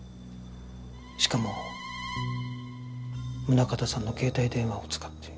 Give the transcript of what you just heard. しかも宗形さんの携帯電話を使って。